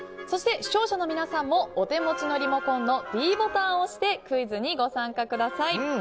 そして、視聴者の皆さんもお手持ちのリモコンのｄボタンを押してクイズにご参加ください。